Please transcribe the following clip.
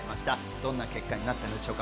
どんな結果になったんでしょうか？